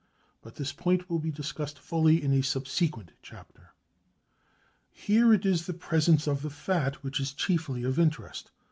But this point will be discussed fully in a subsequent chapter. Here it is the presence of the fat which is chiefly of interest.